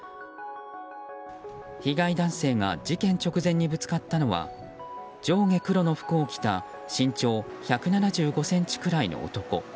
被害男性が事件直前にぶつかったのは上下黒の服を着た身長１７５ｃｍくらいの男。